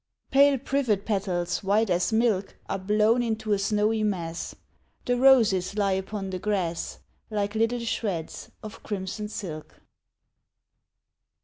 Pale privet petals white as milk Are blown into a snowy mass: The roses lie upon the grass Like little shreds of crimson silk.